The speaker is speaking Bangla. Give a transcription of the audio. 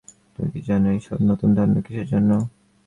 তুমি কি জানো, এই সব নতুন ধারণা কীসের জন্য?